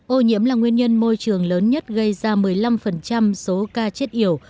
ô nhiễm là nguyên nhân môi trường lớn nhất gây ra một mươi năm số ca chết yếu